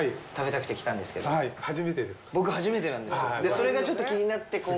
それがちょっと気になって今回。